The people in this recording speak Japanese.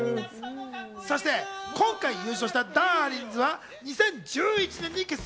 そして今回優勝しただーりんずは２０１１年に結成。